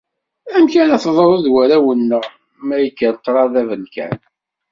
Amek ara teḍru d warraw-nneɣ ma yekker ṭṭraḍ abelkam?